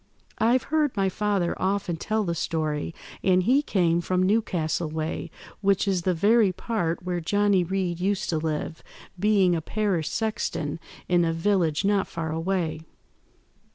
I've heard my father often tell the story, and he came from Newcastle way, which is the very part where Johnny Reed used to live, being a parish sexton in a village not far away.